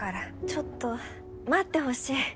ちょっと待ってほしい。